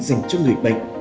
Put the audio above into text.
dành cho người bệnh